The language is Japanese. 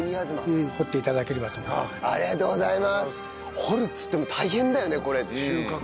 掘るっていっても大変だよねこれ。